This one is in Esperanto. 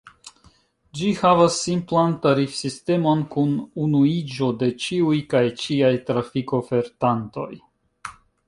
Ĝi havas simplan tarifsistemon kun unuiĝo de ĉiuj kaj ĉiaj trafikofertantoj.